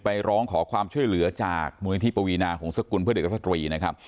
ไปร้องขอความช่วยเหลือจากมดนตรีภาพธิปวีนาของสกุลเพื่อเด็กกับศตรวี